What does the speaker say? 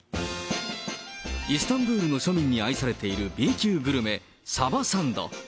イスタンブールの庶民に愛されているＢ級グルメ、サバサンド。